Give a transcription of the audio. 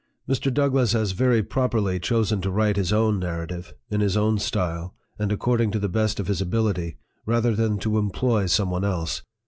Mr. DOUGLASS has very properly chosen to write his own Narrative, in his own style, and according to the best of his ability, rather than to employ some one else.